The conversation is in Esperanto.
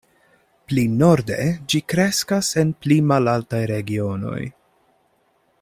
Pli norde, ĝi kreskas en pli malaltaj regionoj.